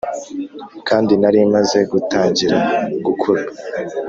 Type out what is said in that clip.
kandi nari maze gutangira gukura,